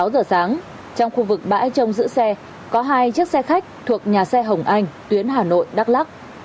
sáu giờ sáng trong khu vực bãi trông giữ xe có hai chiếc xe khách thuộc nhà xe hồng anh tuyến hà nội đắk lắc